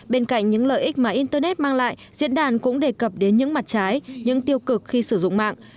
bên cạnh những lợi ích mà internet mang lại diễn đàn cũng đề cập đến những mặt trái những tiêu cực khi sử dụng mạng